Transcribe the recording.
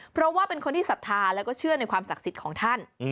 เพราะว่าเป็นคนที่ศรัทธาแล้วก็เชื่อในความศักดิ์สิทธิ์ของท่าน